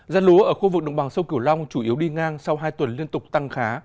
giá lúa ở khu vực đồng bằng sông cửu long chủ yếu đi ngang sau hai tuần liên tục tăng khá